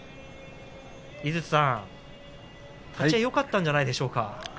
井筒さん、立ち合いよかったんじゃないでしょうか。